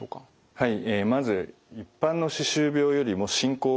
はい。